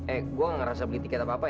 eh gue gak ngerasa beli tiket apa apa ya